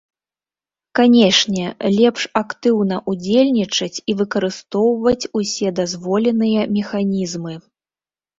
Канешне, лепш актыўна ўдзельнічаць і выкарыстаць усе дазволеныя механізмы.